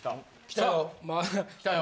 来たよ。